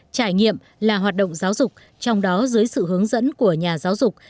trải nghiệm là hoạt động giáo dục trong đó dưới sự hướng dẫn của nhà giáo dục